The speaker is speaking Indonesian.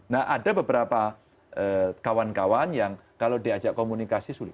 nah ada beberapa kawan kawan yang kalau diajak komunikasi sulit